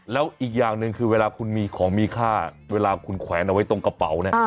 แล้วอีกอย่างหนึ่งคือเวลาคุณมีของมีค่าเวลาคุณแขวนเอาไว้ตรงกระเป๋าเนี่ย